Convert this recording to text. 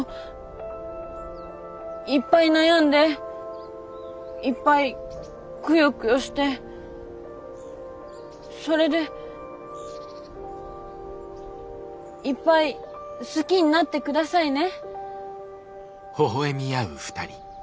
いっぱい悩んでいっぱいクヨクヨしてそれでいっぱい好きになって下さいね。